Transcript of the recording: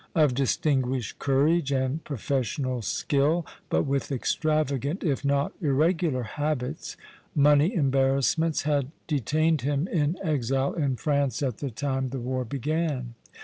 Of distinguished courage and professional skill, but with extravagant if not irregular habits, money embarrassments had detained him in exile in France at the time the war began.